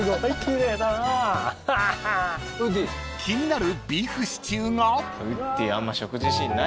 ［気になるビーフシチューが］